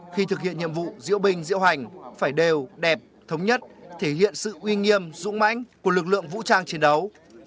khi thực hiện nhiệm vụ diễu binh diễu hành phải đều đẹp thống nhất thể hiện sự uy nghiêm dũng mãnh của lực lượng vũ trang chiến đấu